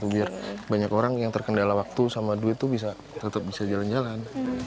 biar banyak orang yang terkendala waktu sama duit tuh bisa tetap bisa jalan jalan